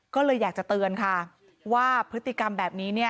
ก็เลยอยากจะเตือนค่ะว่าพฤติกรรมแบบนี้เนี่ย